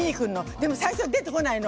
でも、最初は出てこないの。